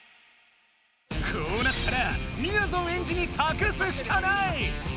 こうなったらみやぞんエンジにたくすしかない！